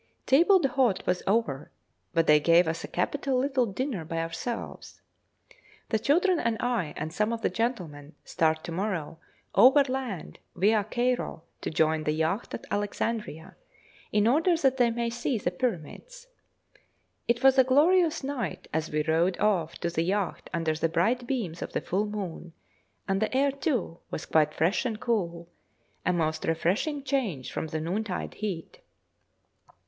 Table d'hôte was over, but they gave us a capital little dinner by ourselves. The children and I, and some of the gentlemen, start to morrow, overland viâ Cairo, to join the yacht at Alexandria, in order that they may see the Pyramids. It was a glorious night as we rowed off to the yacht under the bright beams of the full moon, and the air, too, was quite fresh and cool a most refreshing change from the noontide heat.